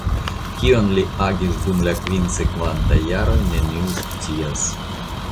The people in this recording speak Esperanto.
Kion li agis dum la kvin sekvantaj jaroj neniu scias.